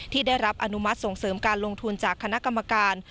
ที่ได้รับอนุมัติส่งเสริมการลงทุนจากคณะกรรมการ